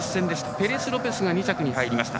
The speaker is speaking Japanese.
ペレスロペスが２着に入りました。